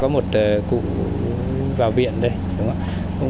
có một cụ vào viện đây đúng không ạ